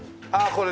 これ。